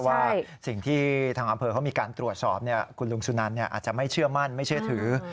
ว่าสิ่งที่ทางอำเภอเขามีการตรวจสอบคุณลุงสุนันอาจจะไม่เชื่อมั่นไม่เชื่อถือ